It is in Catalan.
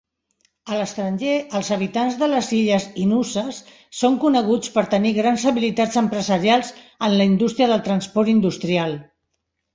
A l'estranger, els habitants de les illes Inusses són coneguts per tenir grans habilitats empresarials en la indústria del transport industrial.